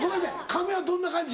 亀はどんな感じ？